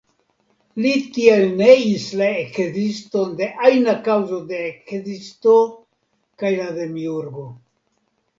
Li tiel neis la ekziston de ajna kaŭzo de ekzisto kaj la demiurgo.